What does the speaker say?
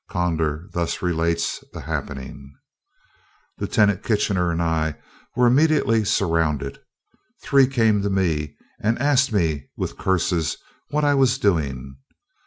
Conder thus relates the happening: "Lieut. Kitchener and I were immediately surrounded. Three came to me and asked me with curses what I was doing.